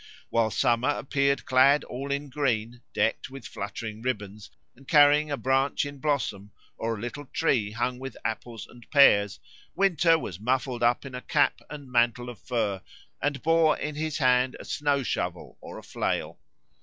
While Summer appeared clad all in green, decked with fluttering ribbons, and carrying a branch in blossom or a little tree hung with apples and pears, Winter was muffled up in cap and mantle of fur and bore in his hand a snow shovel or a flail.